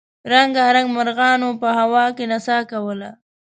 رنګارنګ مرغانو په هوا کې نڅا کوله.